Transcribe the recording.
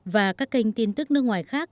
và các kênh tin tức nước ngoài khác